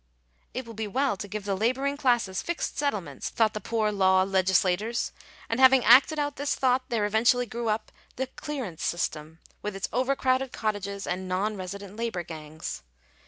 "It will be well to give the labouring classes fixed settlements " thought the Poor Law legislators ; and having acted out this thought there eventually grew up the clearance system, with its overcrowded cottages, and non resident labour gangs.